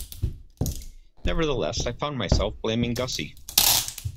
Nevertheless, I found myself blaming Gussie.